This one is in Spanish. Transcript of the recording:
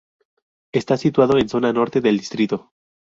Está situado en zona norte del distrito.